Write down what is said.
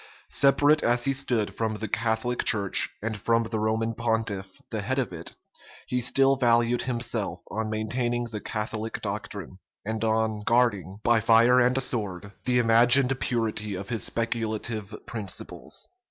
Separate as he stood from the Catholic church, and from the Roman pontiff, the head of it, he still valued himself on maintaining the Catholic doctrine, and or guarding, by fire and sword, the imagined purity of his speculative principles.